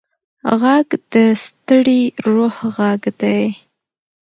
غږ د ستړي روح غږ دی